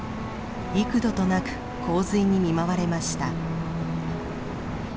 幾度となく洪水に見舞われました。